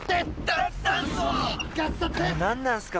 何なんすか？